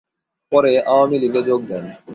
পরে আওয়ামী লীগে যোগ দেন।